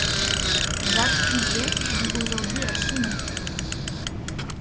Jacques Puisais vit aujourd’hui à Chinon.